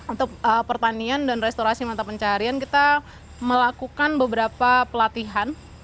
untuk pertanian dan restorasi mata pencarian kita melakukan beberapa pelatihan